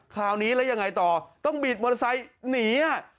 คราวนี้แล้วยังไงต่อต้องบิดมอเตอร์ไซค์หนี